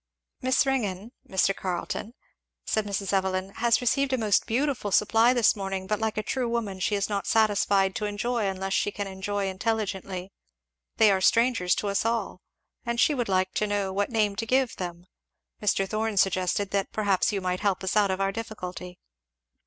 "Miss Ringgan, Mr. Carleton," said Mrs. Evelyn, "has received a most beautiful supply this morning; but like a true woman she is not satisfied to enjoy unless she can enjoy intelligently they are strangers to us all, and she would like to know what name to give them Mr. Thorn suggested that perhaps you might help us out of our difficulty."